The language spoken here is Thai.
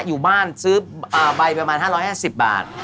อยู่บ้านซื้อใบประมาณ๕๕๐บาท